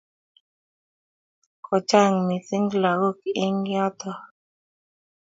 Kochang' missing' lagok eng' yotok.